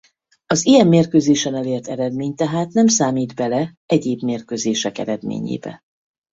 Az ilyen mérkőzésen elért eredmény tehát nem számít bele egyéb mérkőzések eredményébe.